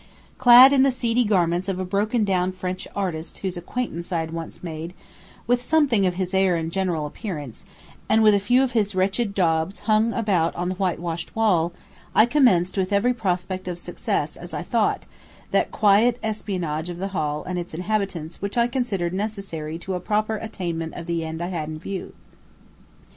Clad in the seedy garments of a broken down French artist whose acquaintance I had once made, with something of his air and general appearance and with a few of his wretched daubs hung about on the whitewashed wall, I commenced with every prospect of success as I thought, that quiet espionage of the hall and its inhabitants which I considered necessary to a proper attainment of the end I had in view.